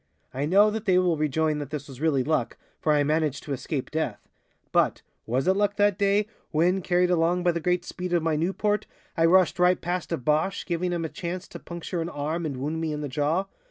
I know that they will rejoin that this was really luck, for I managed to escape death. But, was it luck that day, when, carried along by the great speed of my Nieuport, I rushed right past a Boche, giving him a chance to puncture an arm and wound me in the jaw?